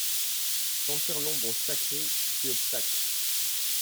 Sentir l’ombre sacrée qui fait obstacle!